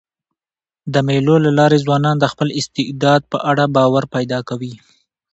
د مېلو له لاري ځوانان د خپل استعداد په اړه باور پیدا کوي.